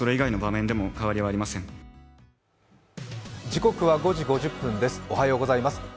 時刻は５時５０分です、おはようございます。